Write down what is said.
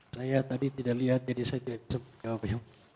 saya tadi tidak lihat jadi saya tidak bisa mengerti